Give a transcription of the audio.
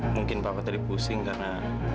mungkin bapak tadi pusing karena